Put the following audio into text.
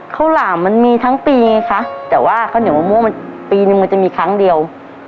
หลามมันมีทั้งปีไงคะแต่ว่าข้าวเหนียวมะม่วงมันปีนึงมันจะมีครั้งเดียว